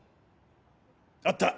あった。